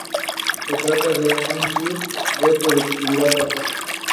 However, pardons and commutations have been recognized as autonomous powers of the President.